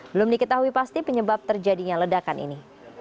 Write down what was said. belum diketahui pasti penyebab terjadinya ledakan ini